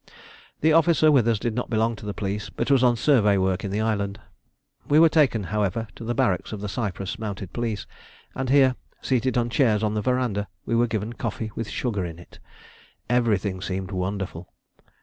The officer with us did not belong to the police, but was on survey work in the island. We were taken, however, to the barracks of the Cyprus Mounted Police, and here, seated on chairs on the verandah, we were given coffee with sugar in it. Everything seemed wonderful.